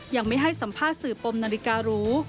ยังไม่ให้สัมภาษณ์สื่อปมนาฬิการู